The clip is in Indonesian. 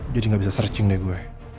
jadi gak bisa searching deh gue